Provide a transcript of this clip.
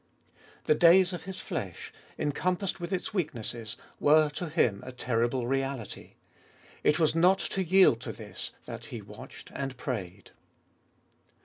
The days of His flesh, encompassed with its weaknesses, were to Him a terrible reality. It was not to yield to this that He watched and prayed.